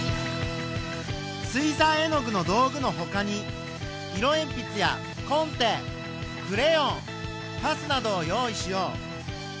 水さい絵の具の道具の他に色えん筆やコンテクレヨンパスなどを用意しよう。